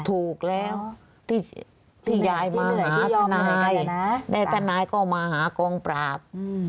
ถูกแล้วที่ท่านนายก็มาหากองปราบ